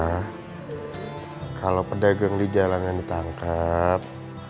nah kalau pedagang di jalanan ditangkap